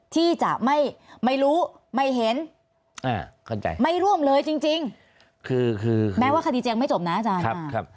ที่จะไม่รู้ไม่เห็นไม่ร่วมเลยจริงคือแม้ว่าคดีจะยังไม่จบนะอาจารย์